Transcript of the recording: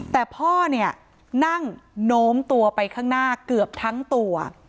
แต่พ่อเนี่ยนั่งโน้มตัวไปข้างหน้าเกือบทั้งตัว